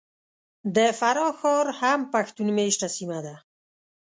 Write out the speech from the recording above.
د فراه ښار هم پښتون مېشته سیمه ده .